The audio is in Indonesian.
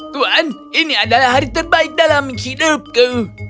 tuan ini adalah hari terbaik dalam hidupku